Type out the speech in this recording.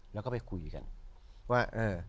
แล้วก็ไปคุยกันว่าเออ